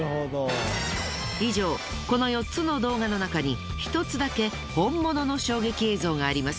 以上この４つの動画の中に１つだけ本物の衝撃映像があります。